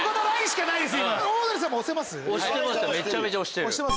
オードリーさんも押せます？